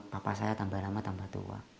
papa saya tambah ramah tambah tua